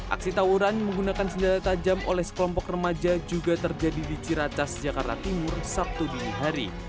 aksi tawuran menggunakan senjata tajam oleh sekelompok remaja juga terjadi di ciracas jakarta timur sabtu dini hari